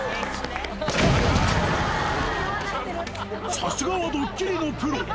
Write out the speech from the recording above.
さすがはドッキリのプロ。